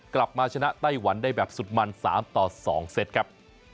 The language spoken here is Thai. กลับมาชนะไต้หวันได้แบบสุดมัน๓ต่อ๒เซตครับ